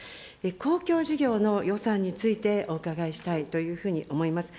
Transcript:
公共事業の予算についてお伺いしたいというふうに思います。